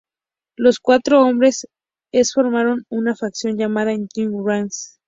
Los cuatro hombres formaron una facción llamada The Dynasty.